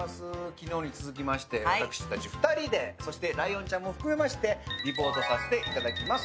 昨日に続きまして私たち２人でそしてライオンちゃんも含めましてリポートさせていただきます。